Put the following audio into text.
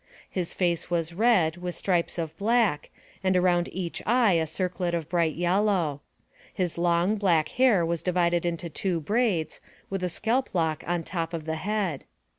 His face was red, with stripes of black, and around each eye a circlet of bright yellow. His long, black hair was divided into two braids, with a scalp lock on top of the head.